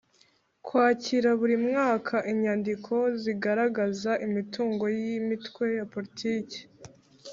Kwakira buri mwaka inyandiko zigaragaza imitungo y’ Imitwe ya Politiki